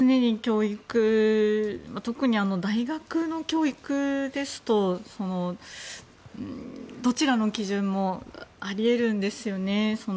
特に大学の教育ですとどちらの基準もあり得るんですよね。